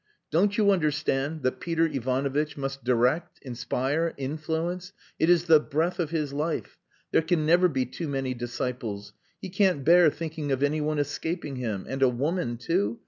"Don't you understand that Peter Ivanovitch must direct, inspire, influence? It is the breath of his life. There can never be too many disciples. He can't bear thinking of anyone escaping him. And a woman, too!